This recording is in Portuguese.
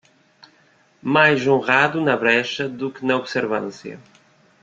Mais honrado na brecha do que na observância